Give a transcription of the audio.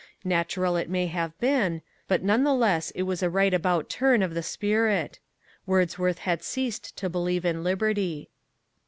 Natural it may have been, but none the less it was a right about turn of the spirit. Wordsworth had ceased to believe in liberty.